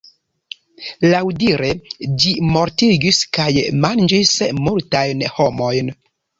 Laŭdire ĝi mortigis kaj manĝis multajn homojn.